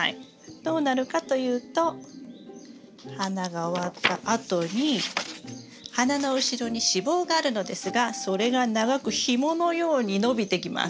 どうなるかというと花が終わったあとに花の後ろに子房があるのですがそれが長くひものように伸びてきます。